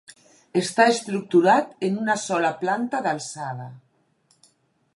Està estructurat en una sola planta d'alçada.